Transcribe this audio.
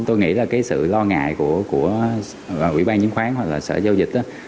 tôi nghĩ sự lo ngại của quỹ ban chính khoán hoặc sở giao dịch